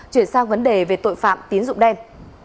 chuyển sang vấn đề về tội phạm tín dụng đen